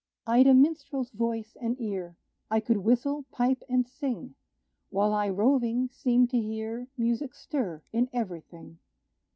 I'd a minstrel's voice and ear: I could whistle, pipe and sing, While I roving, seemed to hear Music stir in every thing.